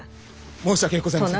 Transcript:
申し訳ございません！